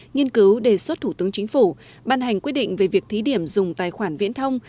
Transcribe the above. nghiên cứu đề xuất thủ tướng chính phủ ban hành quyết định về việc thí điểm dùng tài khoản viễn thông